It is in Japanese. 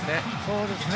そうですね。